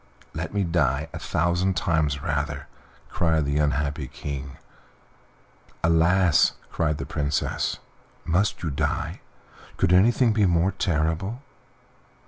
"Let me die a thousand times rather," cried the unhappy King. "Alas!" cried the Princess, "must you die? Could anything be more terrible?"